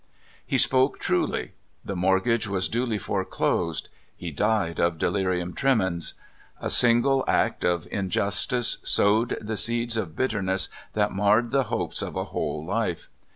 He spoke truly. The mortgage was duly fore closed. He died of delirium tremens. A single act of injustice sowed the seeds of bitterness that marred the hopes of a whole life.